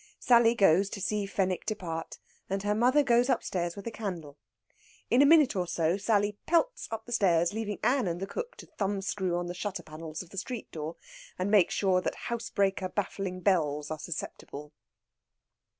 Sally goes to see Fenwick depart, and her mother goes upstairs with a candle. In a minute or so Sally pelts up the stairs, leaving Ann and the cook to thumbscrew on the shutter panels of the street door, and make sure that housebreaker baffling bells are susceptible.